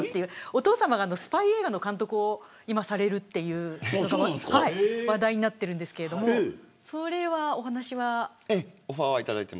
お父さまがスパイ映画の監督を今されるという話題になっているんですがそれはお話は。